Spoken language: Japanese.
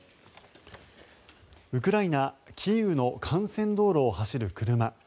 ウクライナ・キーウの幹線道路を走る車。